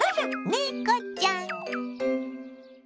猫ちゃん！